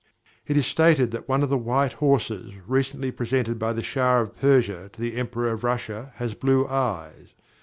It is stated that one of the white horses recently presented by the Shah of Persia to the Emperor of Russia has blue eyes.